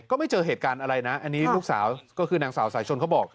ไม่เจอเหตุการณ์อะไรนะอันนี้ลูกสาวก็คือนางสาวสายชนเขาบอก